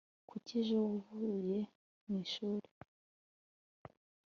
kuki ejo wavuye mwishuri